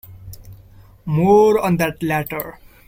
More on that later.